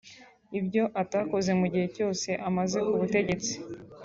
Ibyo atakoze mu gihe cyose amaze ku butegetsi